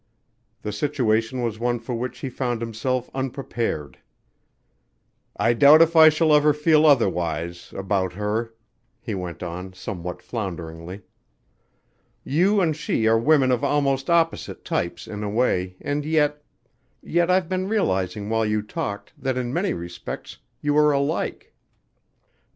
The situation was one for which he found himself unprepared. "I doubt if I shall ever feel otherwise about her," he went on somewhat flounderingly. "You and she are women of almost opposite types in a way and yet yet I've been realizing while you talked, that in many respects you are alike."